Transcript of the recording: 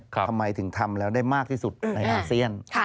ทำไมถึงทำแล้วได้มากที่สุดในอาเซียน